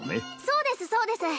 そうですそうです！